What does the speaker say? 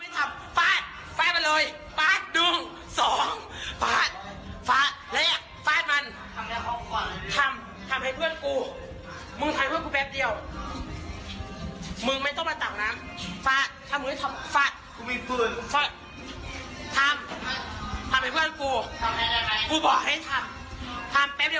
กูบอกให้ทำทำแป๊บเดี๋ยวมึงไม่ต้องทำอะไร